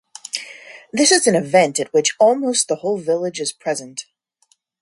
This is an event at which almost the whole village is present.